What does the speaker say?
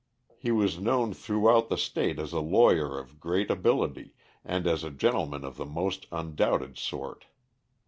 He was known throughout the state as a lawyer of great ability and as a gentleman of the most undoubted sort.